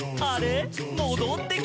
もどってきた」